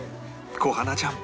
小花ちゃん